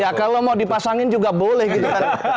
ya kalau mau dipasangin juga boleh gitu kan